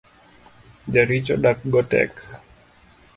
Jaricho dak go tek.